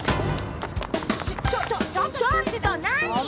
ちょちょちょっと何よ！